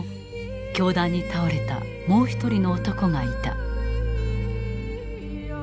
凶弾に倒れたもう１人の男がいた。